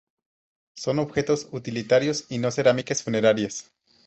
Son objetos utilitarios y no cerámicas funerarias.